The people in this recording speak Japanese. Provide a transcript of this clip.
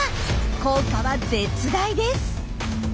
効果は絶大です。